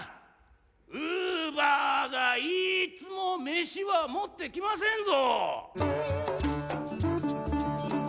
「うば」が「いつ」も飯は持ってきませんぞ。